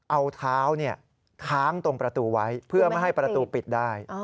เอาเท้าค้างตรงประตูไว้เพื่อไม่ให้ประตูปิดได้